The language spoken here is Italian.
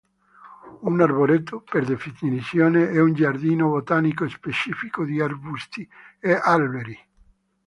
Un arboreto, per definizione, è un giardino botanico specifico di arbusti e alberi.